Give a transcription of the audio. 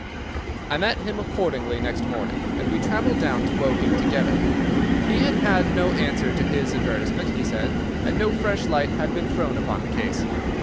I met him accordingly next morning and we travelled down to Woking together. He had had no answer to his advertisement, he said, and no fresh light had been thrown upon the case.